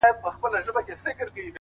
هغه به چاسره خبري کوي!